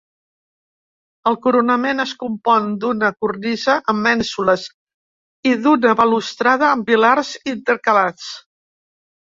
El coronament es compon d'una cornisa amb mènsules i d'una balustrada amb pilars intercalats.